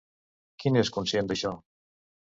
Qui n'és conscient d'això?